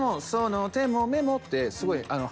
その手も目もってすごい。